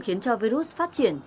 khiến cho virus phát triển